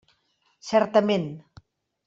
Certament.